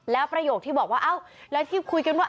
แล้วประโยคที่บอกว่าเอ้าแล้วที่คุยกันว่า